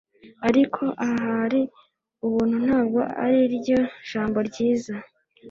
ariko, ahari ubuntu ntabwo ariryo jambo ryiza